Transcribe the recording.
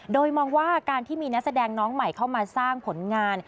โดยมองว่าการที่มีนักแสดงน้องใหม่เข้ามาสร้างผลงาน